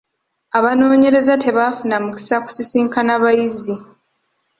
Abanoonyereza tebaafuna mukisa kusisinkana bayizi.